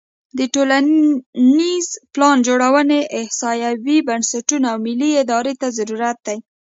د ټولنیزې پلانجوړونې احصایوي بنسټونو او ملي ارادې ته ضرورت دی.